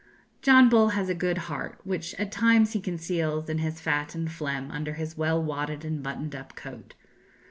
John Bull has a good heart, which at times he conceals in his fat and phlegm under his well wadded and buttoned up coat.